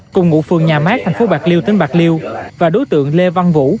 cùng ngụ phường nhà mát thành phố bạc liêu tỉnh bạc liêu và đối tượng lê văn vũ